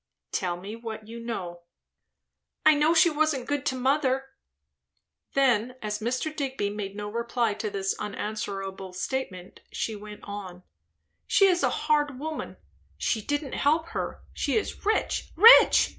"Tell me what you know." "I know she wasn't good to mother." Then, as Mr. Digby made no reply to this unanswerable statement, she went on; "She is a hard woman; she didn't help her. She is rich, rich!